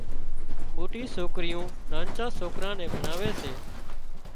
موٽِي سوڪريون نانچان نين ڀڻاوي سي